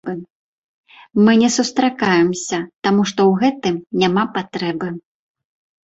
Мы не сустракаемся, таму што ў гэтым няма патрэбы.